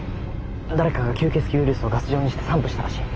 誰かが吸血鬼ウイルスをガス状にして散布したらしい。